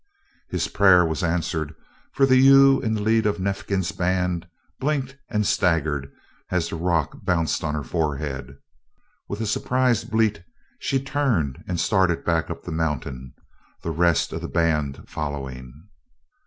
His prayer was answered, for the ewe in the lead of Neifkins's band blinked and staggered as the rock bounced on her forehead. With a surprised bleat she turned and started back up the mountain, the rest of the band following.